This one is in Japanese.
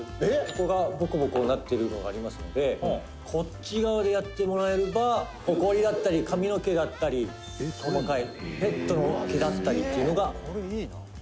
「ここがボコボコなってるのがありますのでこっち側でやってもらえればホコリだったり髪の毛だったり細かいペットの毛だったりっていうのがいけます」